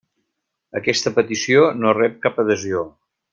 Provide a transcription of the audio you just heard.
Aquesta petició no rep cap adhesió.